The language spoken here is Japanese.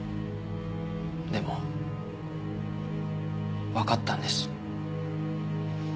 でもわかったんです。